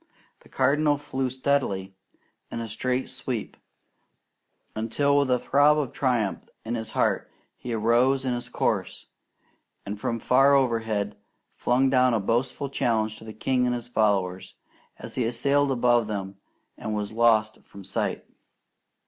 The Cardinal flew steadily in a straight sweep, until with a throb of triumph in his heart, he arose in his course, and from far overhead, flung down a boastful challenge to the king and his followers, as he sailed above them and was lost from sight.